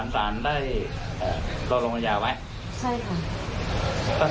รมากกวนเราอีก